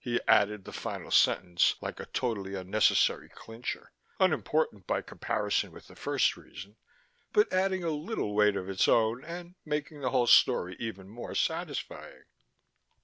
He added the final sentence like a totally unnecessary clincher unimportant by comparison with the first reason, but adding a little weight of its own, and making the whole story even more satisfying.